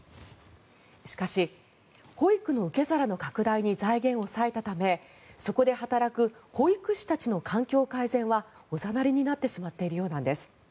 しかし、保育の受け皿の拡大に財源を割いたためそこで働く保育士たちの環境改善はおざなりになってしまっているようなんです。